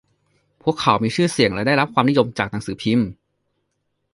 พวกเขามีชื่อเสียงและได้รับความนิยมจากหนังสือพิมพ์